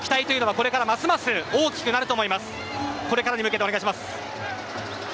これからに向けてお願いします。